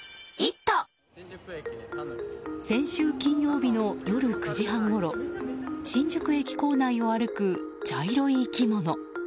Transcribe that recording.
先週金曜日の夜９時半ごろ新宿駅構内を歩く茶色い生き物。